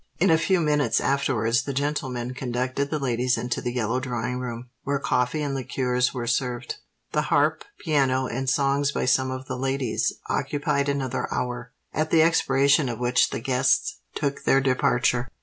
In a few minutes afterwards the gentlemen conducted the ladies into the Yellow Drawing Room, where coffee and liqueurs were served. The harp, piano, and songs by some of the ladies, occupied another hour; at the expiration of which the guests took their departure.